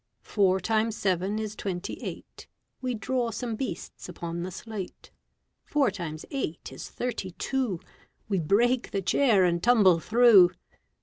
Four times seven is twenty eight. We draw some beasts upon the slate. Four times eight is thirty two. We break the chair and tumble through.